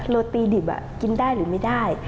โรตีดิบกินได้หรือไม่ได้